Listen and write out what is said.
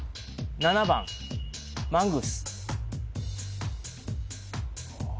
７番マングース